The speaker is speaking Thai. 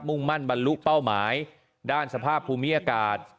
่งมั่นบรรลุเป้าหมายด้านสภาพภูมิอากาศ